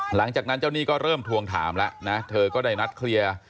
หลังจากนั้นเจ้าหนี้ก็เริ่มทวงถามแล้วนะเธอก็ได้นัดเคลียร์